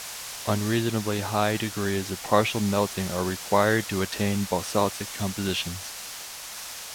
Unreasonably high degrees of partial melting are required to attain basaltic compositions.